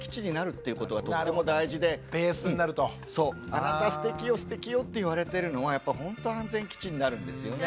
あなたステキよステキよって言われてるのはやっぱほんと安全基地になるんですよね。